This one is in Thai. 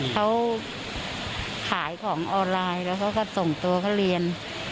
เค้าขายของออนไลน์แล้วก็ส่งตัวก็เรียน